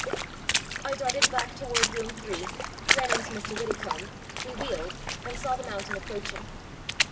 I darted back toward Room Three, ran into Mr. Widdecombe, we wheeled, and saw the mountain approaching.